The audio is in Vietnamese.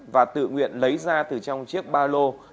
và tự nguyện lấy ra từ trong chiếc ba lô